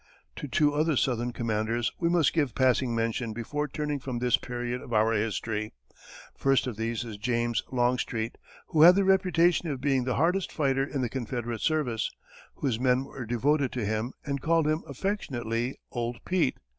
To two other southern commanders we must give passing mention before turning from this period of our history. First of these is James Longstreet, who had the reputation of being the hardest fighter in the Confederate service, whose men were devoted to him, and called him affectionately "Old Pete."